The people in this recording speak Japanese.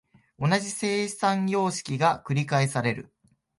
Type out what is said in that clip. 同じ生産様式が繰返される。